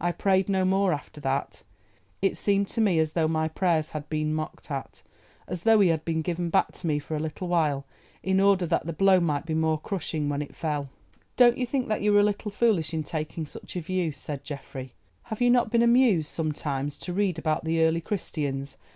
I prayed no more after that. It seemed to me as though my prayers had been mocked at, as though he had been given back to me for a little while in order that the blow might be more crushing when it fell." "Don't you think that you were a little foolish in taking such a view?" said Geoffrey. "Have you not been amused, sometimes, to read about the early Christians?